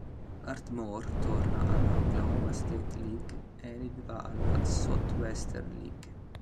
Ardmore torna alla Oklahoma State League, Enid va alla Southwestern League.